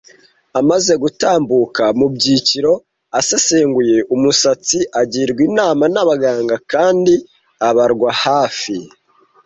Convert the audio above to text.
Amaze gutambuka mu byiciro, asesenguye umusatsi, agirwa inama n'abaganga kandi abarwa hafi,